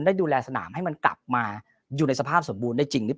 ได้ดูแลสนามให้มันกลับมาอยู่ในสภาพสมบูรณ์ได้จริงหรือเปล่า